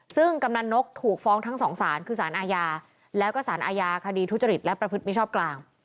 ซึ่งกำนันนกถูกฟ้องทั้งสองสารคือสารอาญาแล้วก็สารอาญาคดีทุจริตและประพฤติมิชชอบกลาง